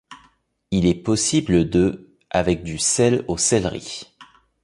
Il est possible de avec du sel au céleri.